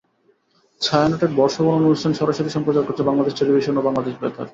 ছায়ানটের বর্ষবরণ অনুষ্ঠান সরাসরি সম্প্রচার করছে বাংলাদেশ টেলিভিশন ও বাংলাদেশ বেতার।